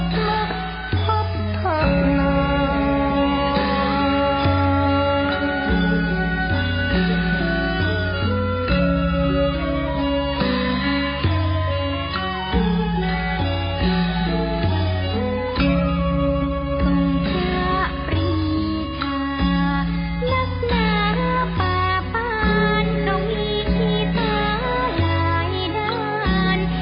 ทุกข่าพลีคานักนาปะปานดงหลีกีฟ้าไหลดาล